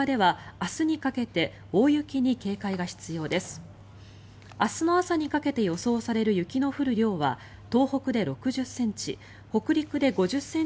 明日の朝にかけて予想される雪の降る量は東北で６０ｃｍ